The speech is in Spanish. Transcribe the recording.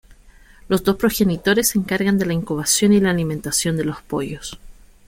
Los dos progenitores se encargan de la incubación y la alimentación de los pollos.